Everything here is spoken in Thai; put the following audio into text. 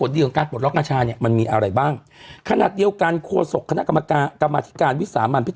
อืมอืมอืมอืมอืมอืมอืมอืมอืมอืม